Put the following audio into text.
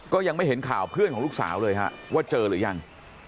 ก็ยังไม่เห็นข่าวเพื่อนของลูกสาวเลยฮะว่าเจอหรือยัง